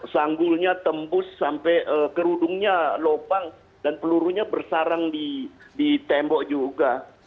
sanggulnya tembus sampai kerudungnya lubang dan pelurunya bersarang di tembok juga